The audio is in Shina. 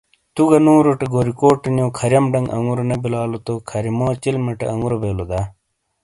تو گہ نوروٹے گوریکوٹ نیو کھریم ڈنگ انگوروں نے بلالو تو کھریمو چلمٹے آنگورو بیلو دا۔